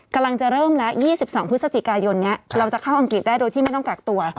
กำลังจะเริ่มแล้ว๒๒พฤศจิกายนนี้เราจะเข้าอังกฤษได้โดยที่ไม่ต้องกักตัว